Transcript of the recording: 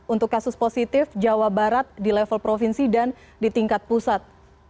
untuk kasus positif jawa barat di level provinsi dan di tingkat pusat